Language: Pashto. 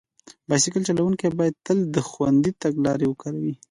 بایسکل چلونکي باید تل د خوندي تګ لارې وکاروي.